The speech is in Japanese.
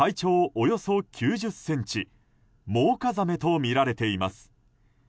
およそ９０ｃｍモウカザメとみられています。